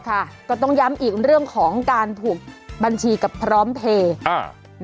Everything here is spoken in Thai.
ก็ต้องย้ำอีกเรื่องของการถูกบัญชีกับพร้อมเพลย์อ่า